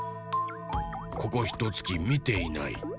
ここひとつきみていない。